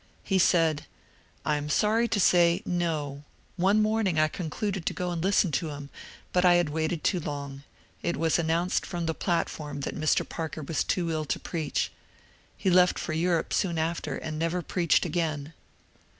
He said, " I am sorry to say, no ; one morning I concluded to go and listen to him, but I had waited too long ; it was announced from the platform that Mr. Parker was too ill to preach. He left for Europe soon after, and never preached again."